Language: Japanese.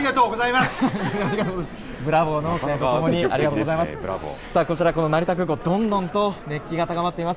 夢をありがとうございます！